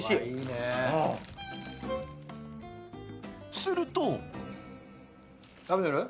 すると。